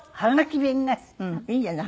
いいんじゃない？